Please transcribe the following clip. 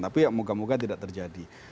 tapi moga moga tidak terjadi